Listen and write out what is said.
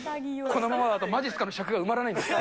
このままだと、まじっすかの尺が埋まらないんです。